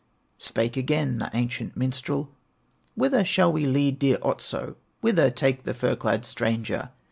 Spake again the ancient minstrel: "Whither shall we lead dear Otso, Whither take the fur clad stranger?"